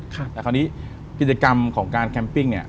แต่คราวนี้พิจารณีกรรมของการแคมปิง